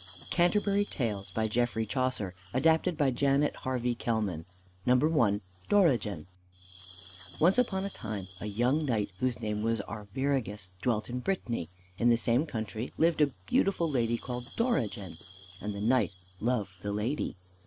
CANTERBURY TALES By GEOFFREY CHAUCER ADAPTED BY JANET HARVEY KELMAN I DORIGEN Once upon a time a young knight, whose name was Arviragus, dwelt in Brittany. In the same country lived a beautiful lady called Dorigen. And the knight loved the lady.